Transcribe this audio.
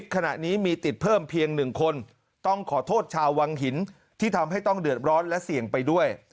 ขณะนี้มีติดเพิ่มเพียง๑คนต้องขอโทษชาววังหินที่ทำให้ต้องเดือดร้อนและเสี่ยงไปด้วย